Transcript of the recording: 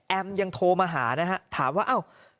แอมยังโทรมาหานะฮะถามว่า